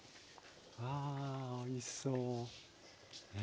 わあおいしそう。